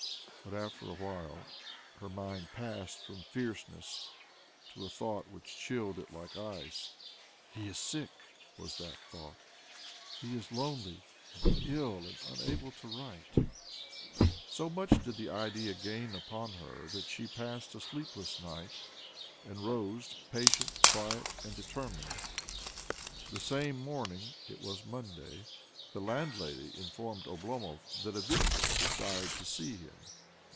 But after a while her mind passed from fierceness to a thought which chilled it like ice. "He is sick," was that thought. "He is lonely and ill, and unable even to write." So much did the idea gain upon her that she passed a sleepless night, and rose pale, quiet, and determined. The same morning — it was Monday — the landlady informed Oblomov that a visitor desired to see him.